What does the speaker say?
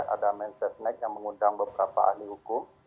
ada mensesnek yang mengundang beberapa ahli hukum